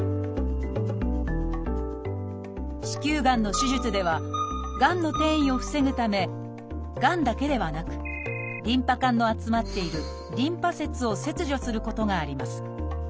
子宮がんの手術ではがんの転移を防ぐためがんだけではなくリンパ管の集まっているリンパ節を切除することがあります。